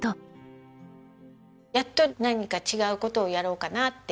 やっと何か違う事をやろうかなって。